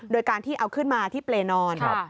โดยการที่เอาขึ้นมาที่เปรย์นอน